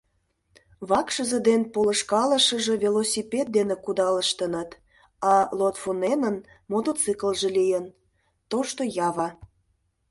Вакшызе ден полышкалышыже велосипед дене кудалыштыныт, а Лотвоненын мотоциклже лийын – тошто «Ява».